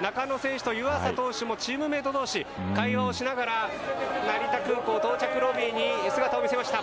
中野選手、湯浅投手がチームメート同士で会話をしながら成田空港到着ロビーに姿を見せました。